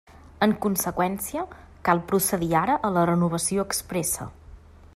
En conseqüència, cal procedir ara a la renovació expressa.